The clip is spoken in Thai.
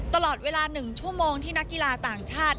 ตลอดเวลา๑ชั่วโมงที่นักกีฬาต่างชาติ